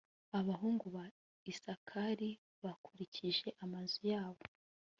abahungu ba isakari bakurikije amazu yabo